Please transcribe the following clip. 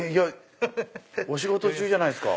お仕事中じゃないっすか？